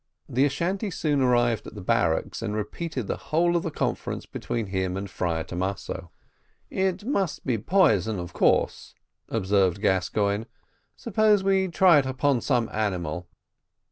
The Ashantee soon arrived at the barracks, and repeated the whole of the conference between him and the Friar Thomaso. "It must be poison, of course," observed Gascoigne; "suppose we try it upon some animal?"